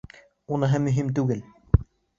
— Уныһы мөһим түгел.